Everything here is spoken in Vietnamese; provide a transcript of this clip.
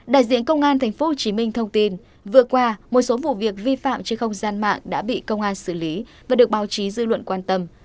đại diện công an tp hcm thông tin vừa qua một số vụ việc vi phạm trên không gian mạng đã bị công an xử lý và được báo chí dư luận quan tâm